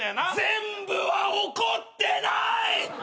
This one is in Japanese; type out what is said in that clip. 全部は怒ってない！！